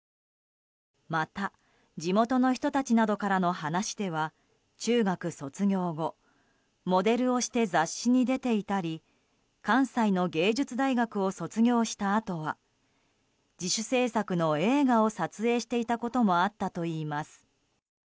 また地元の人たちなどからの話では中学卒業後モデルをして雑誌に出ていたり関西の芸術大学を卒業したあとは自主制作の映画を撮影していたこともあったといいます。